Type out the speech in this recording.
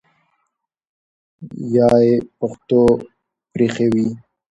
یا ئی پښتو پرېښې وي